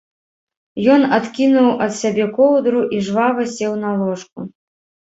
Ён адкінуў ад сябе коўдру і жвава сеў на ложку.